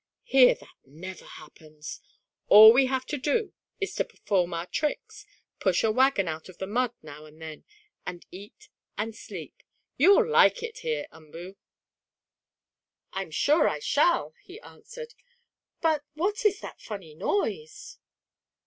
Here that never happens. All we have to do here is to perform our tricks, push a wagon out of the mud now and then, and eat and sleep. You'll like it here, Umboo." "I'm sure I shall," he answered. "But what is that funny noise?"